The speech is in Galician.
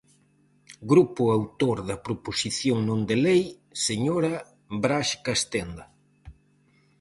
Grupo autor da proposición non de lei, señora Braxe Castenda.